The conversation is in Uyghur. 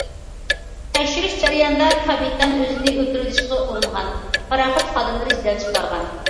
تەكشۈرۈش جەريانىدا كاپىتان ئۆزىنى ئۆلتۈرۈۋېلىشقا ئۇرۇنغان، پاراخوت خادىملىرى جېدەل چىقارغان.